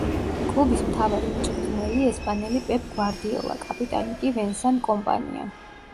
კლუბის მთავარი მწვრთნელი ესპანელი პეპ გვარდიოლა, კაპიტანი კი ვენსან კომპანია.